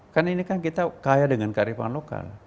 kan ini kan kita kaya dengan kearifan lokal